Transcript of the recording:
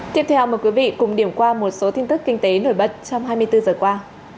tiếp theo mời quý vị cùng điểm qua một số tin tức kinh tế nổi bật trong hai mươi bốn giờ qua